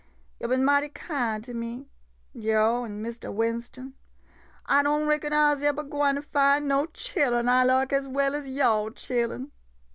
Yo' bin mighty kind to me, yo' an' Mistah Winston. I don' reckon I 'se ebber gwine fin' no chillen I like as well as yo' chillen.